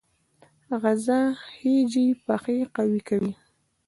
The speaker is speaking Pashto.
غره خیژي پښې قوي کوي